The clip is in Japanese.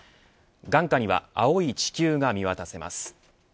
眼下には青い地球が見渡せます。